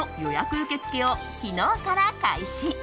受け付けを昨日から開始。